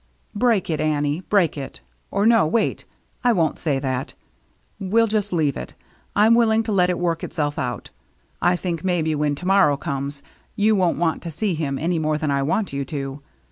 " Break it, Annie, break it. Or no, wait — I won't say that. We'll just leave it. I'm willing to let it work itself out. I think, maybe, when to morrow comes, you won't want to see him any more than I want you to.